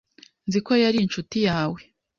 Nzi ko yari inshuti yawe.